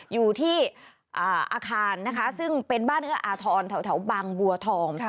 อยู่ที่อาคารซึ่งเป็นบ้านอาทรแถวบางบัวธอม